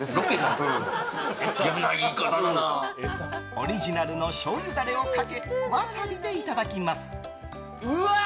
オリジナルのしょうゆダレをかけワサビでいただきます。